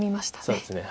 そうですね。